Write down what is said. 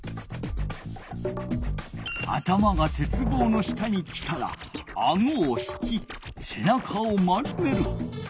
頭が鉄棒の下に来たらあごを引きせなかを丸める。